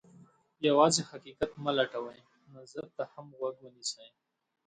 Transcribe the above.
یوازې حقیقت مه لټوئ، نظر ته هم غوږ ونیسئ.